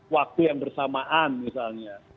waktu yang bersamaan misalnya